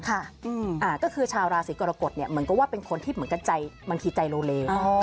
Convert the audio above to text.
ก็คือชาวราศีกรกฎเหมือนก็พิมันก็ใจโลเล